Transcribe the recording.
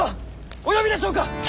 お呼びでしょうか！